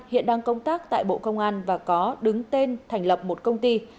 hiện đang công tác tại bộ công an và có đứng tên thành lập một công ty